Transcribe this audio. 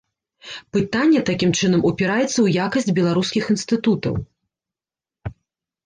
Пытанне, такім чынам, упіраецца ў якасць беларускіх інстытутаў.